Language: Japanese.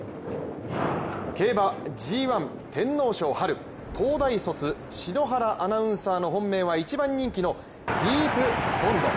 競馬ＧⅠ天皇賞・春東大卒、篠原アナウンサーの本命は１番人気のディープボンド。